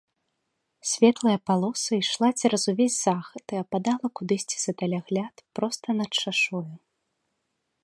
Светлая палоса ішла цераз увесь захад і ападала кудысьці за далягляд проста над шашою.